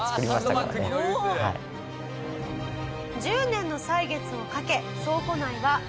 １０年の歳月をかけ倉庫内はＳＡＳＵＫＥ